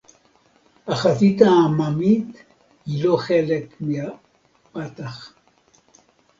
"החזית העממית" היא לא חלק מה"פתח"